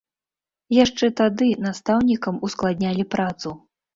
Яшчэ тады настаўнікам ускладнялі працу.